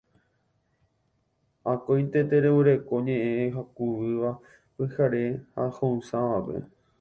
Akóinte tereguereko ñe'ẽ hakuvýva pyhare ho'ysãvape